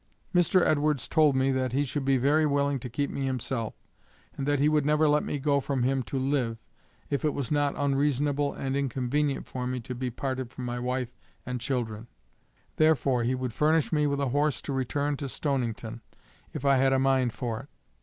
Mr Edwards told me that he should be very willing to keep me himself, and that he would never let me go from him to live, if it was not unreasonable and inconvenient for me to be parted from my wife and children; therefore he would furnish me with a horse to return to Stonington, if I had a mind for it.